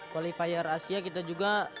qualifier asia kita juga